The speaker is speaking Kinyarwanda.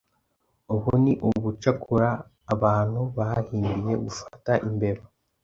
ubu ni ubucakura abantu bahimbiye gufata imbeba.